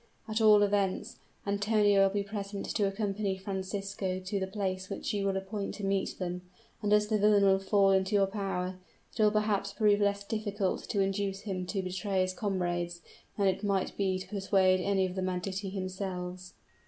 At all events Antonio will be present to accompany Francisco to the place which you will appoint to meet them; and as the villain will fall into your power, it will perhaps prove less difficult to induce him to betray his comrades, than it might be to persuade any of the banditti themselves."